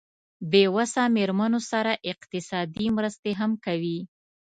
بې وسه مېرمنو سره اقتصادي مرستې هم کوي.